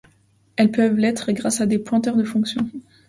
Elles peuvent l'être grâce à des pointeurs de fonctions.